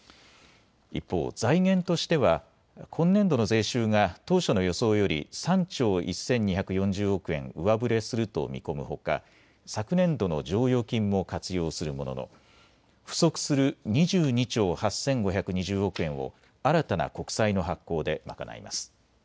一方、財源としては今年度の税収が当初の予想より３兆１２４０億円上振れすると見込むほか、昨年度の剰余金も活用するものの不足する２２兆８５２０億円を新たな国債の発行で賄います。